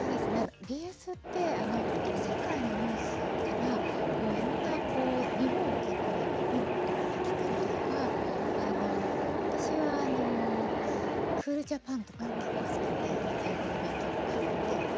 ＢＳって本当に世界のニュースからいろんな日本の番組を見ることができたりとか私は「クールジャパン」とか結構好きで英語の勉強もかねて。